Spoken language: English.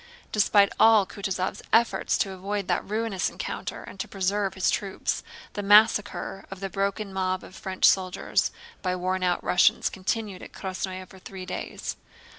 Despite all Kutúzov's efforts to avoid that ruinous encounter and to preserve his troops, the massacre of the broken mob of French soldiers by worn out Russians continued at Krásnoe for three days.